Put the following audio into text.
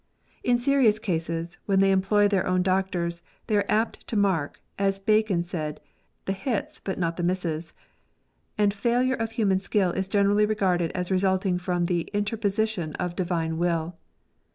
In serious cases, when they employ their own doctors, they are apt to mark, as Bacon said, the hits but not the misses; and failure of human skill is generally regarded as resulting from the interposition of divine will.